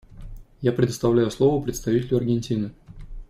Я предоставляю слово представителю Аргентины.